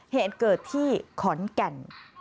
เหตุเกิดที่ขอนแก่น